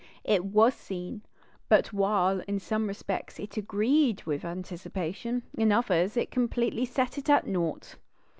It was seen; but while, in some respects, it agreed with anticipation, in others it completely set it at naught.